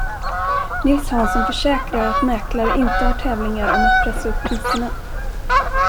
Nils Hansson försäkrar att mäklare inte har tävlingar om att pressa upp priserna.